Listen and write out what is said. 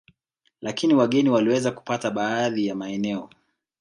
Lakini wageni waliweza kupata baadhi ya maeneo